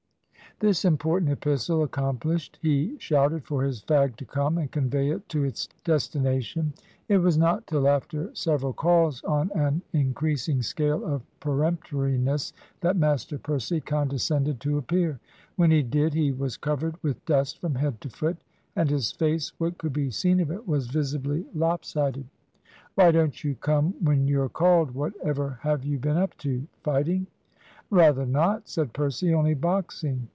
This important epistle accomplished, he shouted for his fag to come and convey it to its destination. It was not till after several calls, on an increasing scale of peremptoriness, that Master Percy condescended to appear. When he did, he was covered with dust from head to foot, and his face, what could be seen of it, was visibly lopsided. "Why don't you come when you're called? Whatever have you been up to fighting?" "Rather not," said Percy, "only boxing.